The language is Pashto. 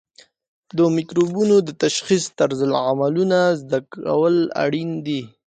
د مکروبونو د تشخیص طرزالعملونه زده کول اړین دي.